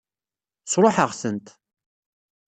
Sṛuḥeɣ-tent.